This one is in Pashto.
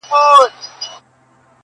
ته صاحب د کم هنر یې ته محصل که متعلم یې,